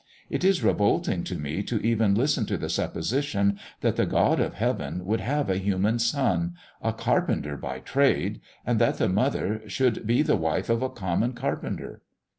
It is revolting to me to even listen to the supposition that the God of Heaven could have a human son a carpenter by trade and that the mother should be the wife of a common carpenter."